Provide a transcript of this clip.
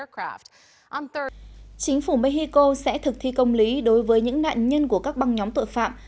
chính phủ mexico sẽ thực thi công lý đối với những nạn nhân của các băng nhóm tội phạm